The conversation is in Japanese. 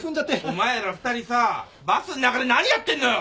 お前ら２人さあバスの中で何やってんのよ！